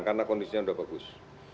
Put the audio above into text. karena kondisinya sudah bagus